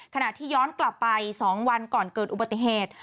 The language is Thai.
ขณะที่ย้อนกลับไป๒วันก่อนเกิดอุบัติเหตุ